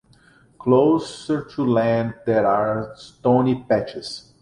Closer to land there are stony patches.